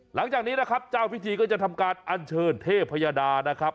หลังจากนี้นะครับเจ้าพิธีก็จะทำการอันเชิญเทพยดานะครับ